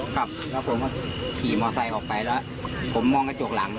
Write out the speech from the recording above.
ครับแล้วผมก็ขี่มอไซค์ออกไปแล้วผมมองกระจกหลัง